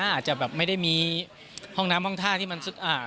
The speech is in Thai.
อาจจะแบบไม่ได้มีห้องน้ำห้องท่าที่มันซุดอ่า